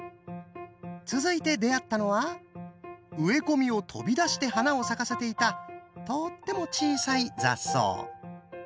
続いて出会ったのは植え込みを飛び出して花を咲かせていたとっても小さい雑草！